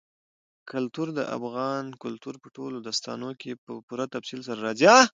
کلتور د افغان کلتور په ټولو داستانونو کې په پوره تفصیل سره راځي.